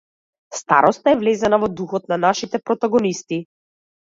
Староста е влезена во духот на нашите протагонисти.